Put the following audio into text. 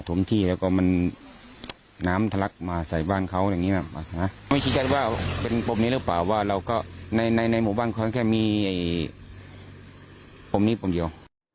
ที่แล้วก็มันน้ำทะลักมาใส่บ้านเขาอย่างนี้ไม่ชี้ชัดว่าเป็นปมนี้หรือเปล่าว่าเราก็ในในหมู่บ้านเขาแค่มีปมนี้ปมเดียว